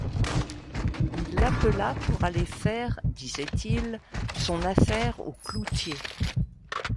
Il l'appela, pour aller faire, disait-il, son affaire au cloutier.